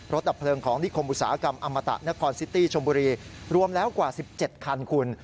ดับเพลิงของนิคมอุตสาหกรรมอมตะนครซิตี้ชมบุรีรวมแล้วกว่า๑๗คันคุณ